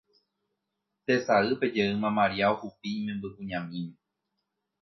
Tesaýpe jeýma Maria ohupi imembykuñamíme